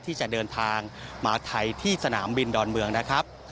ที่จะเดินทางมาไทยที่สนามบินดอนเมืองนะครับ